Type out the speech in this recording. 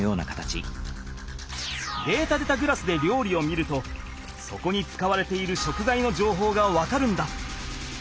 データでたグラスでりょうりを見るとそこに使われている食材のじょうほうが分かるんだ。